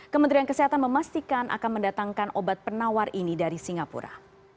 kementerian kesehatan memastikan akan mendatangkan obat penawar ini dari singapura